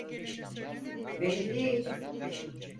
Belli değil.